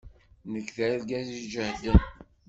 Nekk d argaz iǧehden.